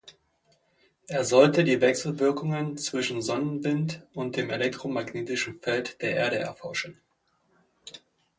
Er sollte die Wechselwirkungen zwischen Sonnenwind und dem elektromagnetischen Feld der Erde erforschen.